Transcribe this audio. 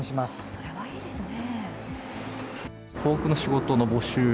それはいいですね。